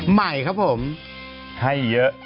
ใหม่ครับผมให้เยอะ